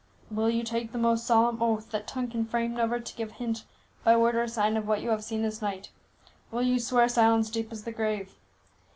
"Will you take the most solemn oath that tongue can frame never to give hint, by word or sign, of what you have seen this night? Will you swear silence deep as the grave?"